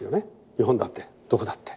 日本だってどこだって。